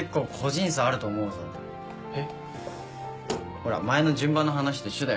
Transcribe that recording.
ほら前の順番の話と一緒だよ。